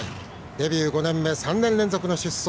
デビュー５年目３年連続の出走。